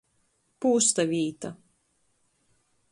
Pūsta vīta.